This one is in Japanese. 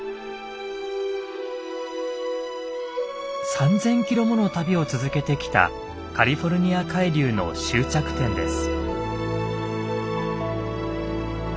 ３，０００キロもの旅を続けてきたカリフォルニア海流の終着点です。